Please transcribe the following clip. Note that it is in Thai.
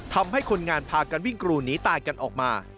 ทำให้คนงานพากันวิ่งกรูหนีตายกันออกมา